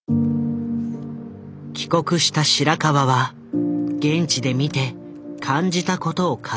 帰国した白川は現地で見て感じたことを書き始めた。